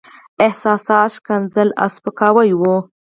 احساسات، ښکنځل او سپکاوي وو.